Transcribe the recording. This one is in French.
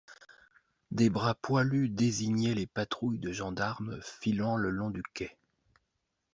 Des bras poilus désignaient les patrouilles de gendarmes, filant le long du quai.